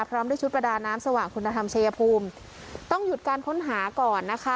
พร้อมด้วยชุดประดาน้ำสว่างคุณธรรมชัยภูมิต้องหยุดการค้นหาก่อนนะคะ